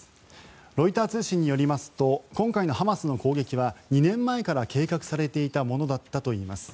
ロイター通信によりますと今回のハマスの攻撃は２年前から計画されていたものだったといいます。